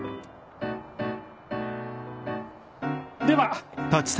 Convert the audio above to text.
では！